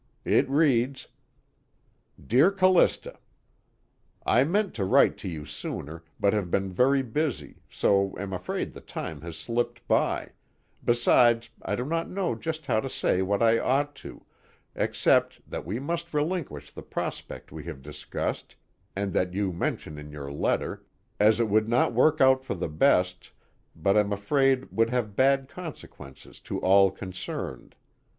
It reads: "Dear Callista: "I meant to write to you sooner, but have been very busy, so am afraid the time has slipped by, besides I do not know just how to say what I ought to, except that we must relinquish the prospect we have discussed and that you mention in your letter, as it would not work out for the best but am afraid would have bad consequences to all concerned.